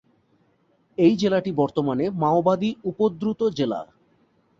এই জেলাটি বর্তমানে মাওবাদী-উপদ্রুত জেলা।